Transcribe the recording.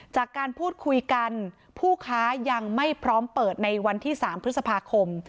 จากการพูดคุยกันผู้ค้ายังไม่พร้อมเปิดในวันที่๓พฤษภาคม